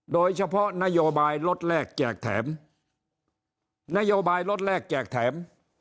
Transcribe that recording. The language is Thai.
โดยเฉพาะนโยบายลดแรกแจกแถมนโยบายลดแรกแจกแถม